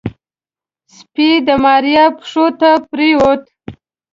سپي د ماريا پښو ته پرېوت.